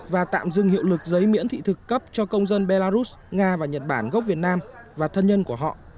và tạm dừng hiệu lực giấy miễn thị thực cấp cho công dân belarus nga và nhật bản gốc việt nam và thân nhân của họ